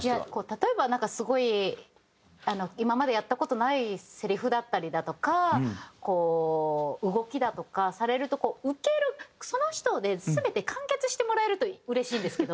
例えばなんかすごい今までやった事ないセリフだったりだとかこう動きだとかされるとその人で全て完結してもらえるとうれしいんですけど。